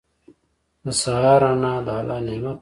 • د سهار روڼا د الله نعمت دی.